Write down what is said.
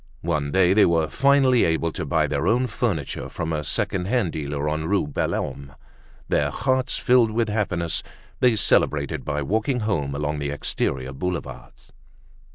One day they were finally able to buy their own furniture from a second hand dealer on Rue Belhomme. Their hearts filled with happiness, they celebrated by walking home along the exterior Boulevards.